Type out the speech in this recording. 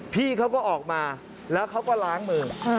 พี่เขาก็ออกมาแล้วเขาก็ล้างมือ